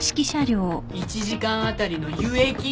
１時間当たりの輸液量！